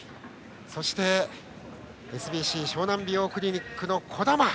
そしてＳＢＣ湘南美容クリニックの児玉。